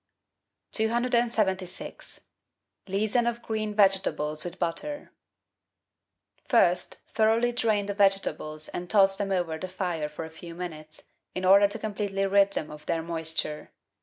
276— LEASON OF GREEN VEGETABLES WITH BUTTER First thoroughly drain the vegetables and toss them over the fire for a few minutes, in order to completely rid them of their moisture.